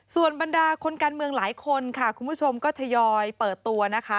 ส่วนบรรดาคนการเมืองหลายคนค่ะคุณผู้ชมก็ทยอยเปิดตัวนะคะ